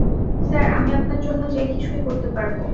Sir, আমি আপনার জন্য যে কোনো কিছুই করতে পারব!